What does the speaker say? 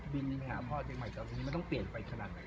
มันต้องเปลี่ยนไปขนาดไหน